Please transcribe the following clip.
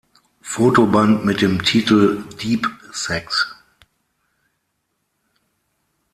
Fotoband mit dem Titel “Deep Sex”.